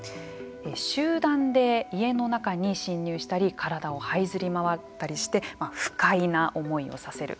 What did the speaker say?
集団で家の中に侵入したり体をはいずり回ったりして不快な思いをさせる。